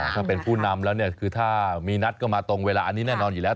ถ้าเป็นผู้นำแล้วเนี่ยคือถ้ามีนัดก็มาตรงเวลาอันนี้แน่นอนอยู่แล้ว